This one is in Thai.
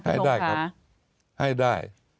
ใช่ครับให้ได้